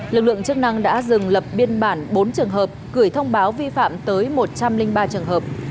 lực lượng chức năng đã dừng lập biên bản bốn trường hợp gửi thông báo vi phạm tới một trăm linh ba trường hợp